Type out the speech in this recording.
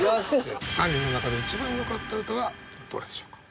３人の中で一番よかった歌はどれでしょうか。